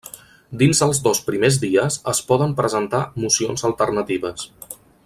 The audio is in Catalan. Dins els dos primers dies es poden presentar mocions alternatives.